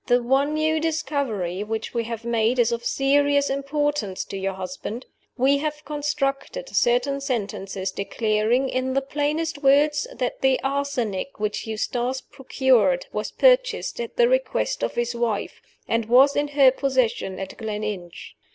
"The one new discovery which we have made is of serious importance to your husband. We have reconstructed certain sentences declaring, in the plainest words, that the arsenic which Eustace procured was purchased at the request of his wife, and was in her possession at Gleninch.